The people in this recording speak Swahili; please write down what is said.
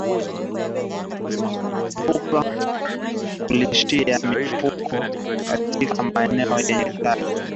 Epuka kulishia mifugo katika maeneo yenye inzi wengi